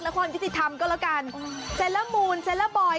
ละครของพิจิตย์ทำก็แหละกันเซลล์วูนเซลล์วอยด์